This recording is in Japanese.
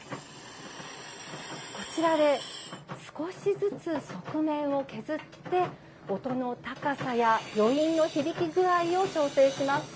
こちらで少しずつ側面を削って音の高さや余韻の響き具合を調整します。